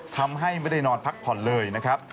ทำให้ไม่ได้นอนพักผ่อนเลยนะครับ